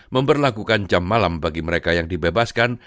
memperlakukan jam malam bagi mereka yang dibebaskan